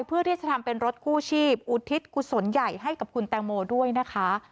เพื่อที่จะทำเป็นรถกู้ชีพอุทิศกุศลใหญ่ให้กับคุณแตงโมด้วยนะคะ